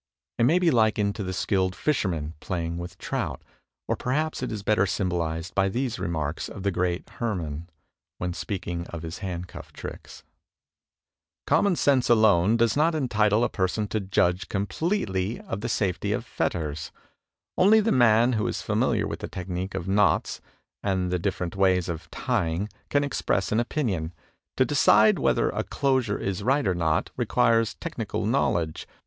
It may be likened to the skilled fisherman pla)dng with trout. Or perhaps it is better symbolized by these remarks of the Great Herrman when speaking of his handcuff tricks: "Common sense alone does not entitle a person to judge competently of the safety of fetters; only the man who is familiar with the technique of knots and the different ways of tying can express an opinion. To decide whether a closure PLOTS 305 is right or not, requires techincal knowledge.